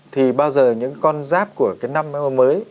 thì bao giờ những con giáp của cái năm hôm mới